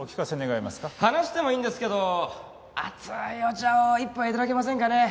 話してもいいんですけど熱いお茶を一杯頂けませんかね？